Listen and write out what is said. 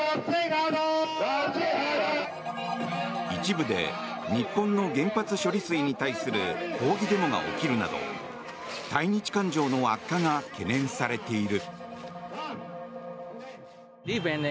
一部で日本の原発処理水に対する抗議デモが起きるなど対日感情の悪化が懸念されている。